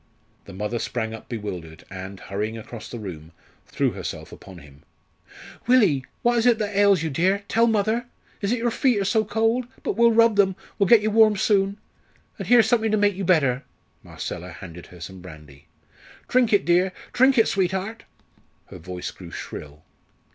The mother sprang up bewildered, and, hurrying across the room, threw herself upon him. "Willie, what is it ails you, dear? Tell mother! Is it your feet are so cold? But we'll rub them we'll get you warm soon. And here's something to make you better." Marcella handed her some brandy. "Drink it, dear; drink it, sweetheart!" Her voice grew shrill.